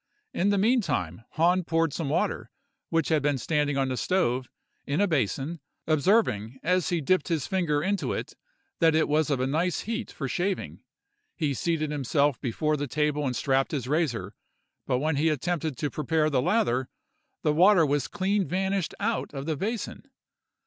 In the meantime, Hahn poured some water, which had been standing on the stove, in a basin, observing, as he dipped his finger into it, that it was of a nice heat for shaving. He seated himself before the table and strapped his razor, but when he attempted to prepare the lather, the water was clean vanished out of the basin.